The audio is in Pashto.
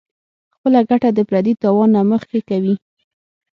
خپله ګټه د پردي تاوان نه مخکې کوي -